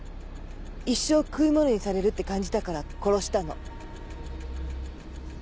一生食い物にされるって感じたから殺したの。